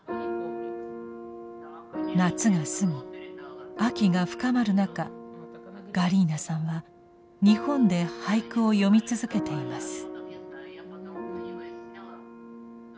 夏が過ぎ秋が深まる中ガリーナさんは日本で俳句を詠み続けています。